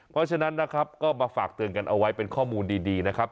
เพราะฉะนั้นนะครับก็มาฝากเตือนกันเอาไว้เป็นข้อมูลดีนะครับ